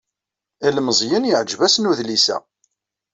Ilemẓiyen yeɛjeb-asen wedlis-a.